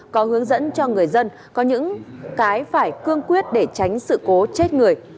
có hướng dẫn cho người dân có những cái phải cương quyết để tránh sự cố chết người